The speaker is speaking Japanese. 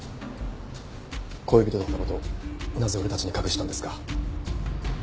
恋人だった事をなぜ俺たちに隠したんですか？